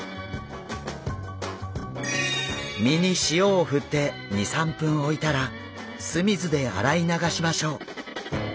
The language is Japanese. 身に塩を振って２３分置いたら酢水で洗いながしましょう。